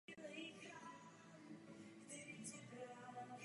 Vznikne tak potenciální energie.